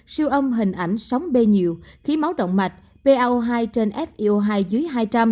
siêu âm hình ảnh sóng b nhiều khí máu động mạch po hai trên fo hai dưới hai trăm linh